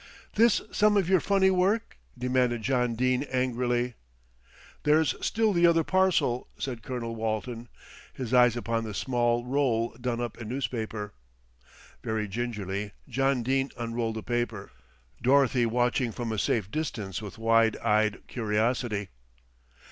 "This some of your funny work?" demanded John Dene angrily. "There's still the other parcel," said Colonel Walton, his eyes upon the small roll done up in newspaper. Very gingerly John Dene unrolled the paper, Dorothy watching from a safe distance with wide eyed curiosity.